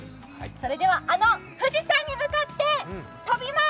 それではあの富士山に向かって飛びます！